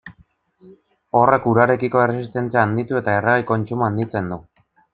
Horrek urarekiko erresistentzia handitu eta erregai kontsumoa handitzen du.